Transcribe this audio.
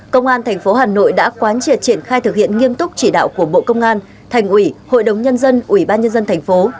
công an tp hà nội đã quán triệt triển khai thực hiện nghiêm túc chỉ đạo của bộ công an thành ủy hội đồng nhân dân ủy ban nhân dân thành phố